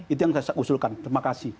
itu yang saya usulkan terima kasih